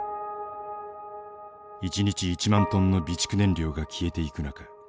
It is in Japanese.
１日１万ｔの備蓄燃料が消えていく中